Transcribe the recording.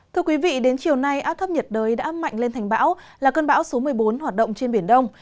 thưa quý vị đến chiều nay áp thấp nhiệt đới đã mạnh lên thành bão là cơn bão số một mươi bốn hoạt động trên biển đông